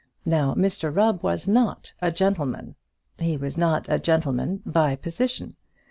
Now, Mr Rubb was not a gentleman. He was not a gentleman by position.